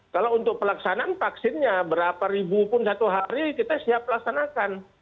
kalau untuk pelaksanaan vaksinnya berapa ribu pun satu hari kita siap laksanakan